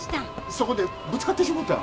そこでぶつかってしもたん。